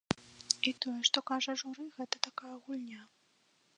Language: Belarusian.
І тое, што кажа журы, гэта такая гульня!